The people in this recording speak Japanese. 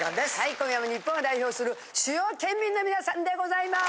今夜も日本を代表する主要県民の皆さんでございます。